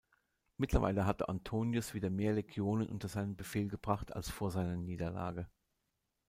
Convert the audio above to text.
Mittlerweile hatte Antonius wieder mehr Legionen unter seinen Befehl gebracht als vor seiner Niederlage.